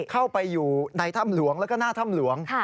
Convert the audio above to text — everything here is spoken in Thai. เข้าไปอยู่ในถ้ำหลวงแล้วก็หน้าถ้ำหลวง